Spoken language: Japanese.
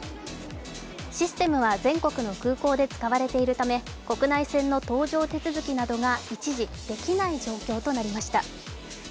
システムは全国の空港で使われているため国内線の搭乗手続きなどが一時、できない状況となりました。